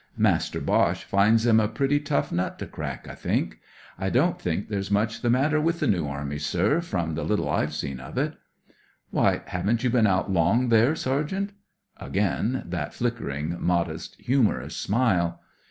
Master Boche finds 'em a pretty tough nut to crack, I think. I don't think there's much the matter with the New Army, sir, from the little I've seen of it." " Why, haven't you been out long, then. Sergeant ?" Again that flickering, modest, humorous smile.